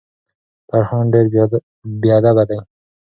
فرهان ډیر بیادبه دی.